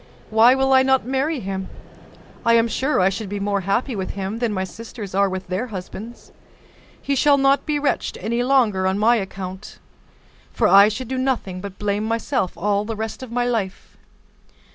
Why will I not marry him? I am sure I should be more happy with him than my sisters are with their husbands. He shall not be wretched any longer on my account; for I should do nothing but blame myself all the rest of my life."